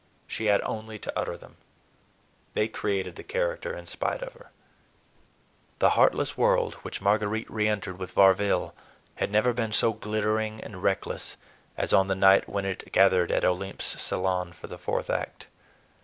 She had only to utter them. They created the character in spite of her. The heartless world which Marguerite re entered with Varville had never been so glittering and reckless as on the night when it gathered in Olympe's salon for the fourth act.